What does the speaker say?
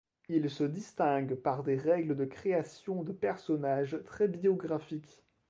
Il se distingue par des règles de création de personnage très biographiques.